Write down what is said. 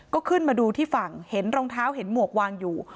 ก็ขึ้นมาดูที่ฝั่งเห็นรองเท้าเห็นหมวกวางอยู่